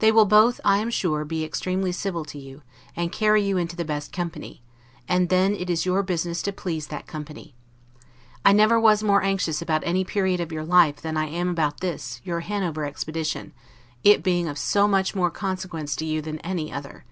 They will both I am sure, be extremely civil to you, and carry you into the best company; and then it is your business to please that company. I never was more anxious about any period of your life, than I am about this, your Hanover expedition, it being of so much more consequence to you than any other.